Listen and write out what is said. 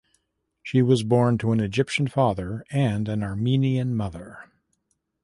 She was born to an Egyptian father and an Armenian mother.